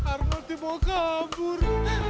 arnold dibawa kabur